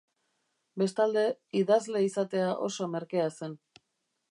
Bestalde, idazle izatea oso merkea zen.